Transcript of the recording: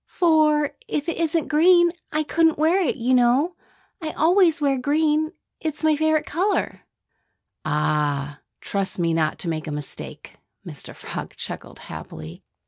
"For if it isn't green, I couldn't wear it, you know. I always wear green. It's my favorite color." "Ah! Trust me not to make a mistake!" Mr. Frog chuckled happily.